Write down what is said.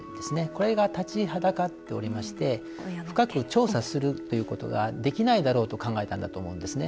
これが立ちはだかっていまして深く調査することができないだろうと考えたんだと思いますね。